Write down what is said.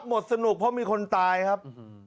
หมดสนุกเพราะมีคนตายครับ